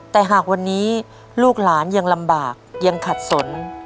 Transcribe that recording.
แต่หากวันนี้ลูกหลานยังลำบากยังขัดสน